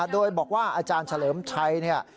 โดยบอกว่าอาจารย์เฉลิมชัย